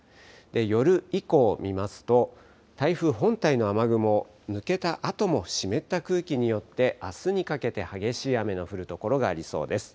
夜以降、見ますと台風本体の雨雲抜けたあとも湿った空気によってあすにかけて激しい雨の降る所がありそうです。